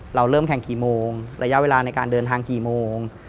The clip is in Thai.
เราเริ่มแข่งกี่โมงระยะเวลาในการเดินทางกี่โมง